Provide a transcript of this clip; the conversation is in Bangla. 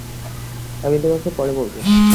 আমি তোমাকে পরে বলব।